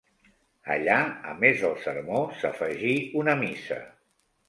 Allà, a més del sermó s'afegí una missa.